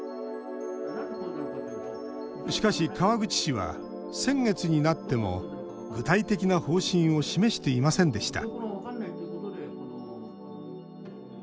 しかし、川口市は先月になっても具体的な方針を示していませんでした